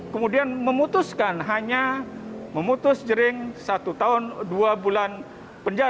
kemudian memutuskan hanya memutus jering satu tahun dua bulan